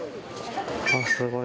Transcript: すごい。